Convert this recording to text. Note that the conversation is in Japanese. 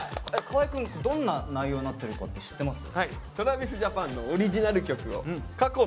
河合くんどんな内容になってるかって知ってます？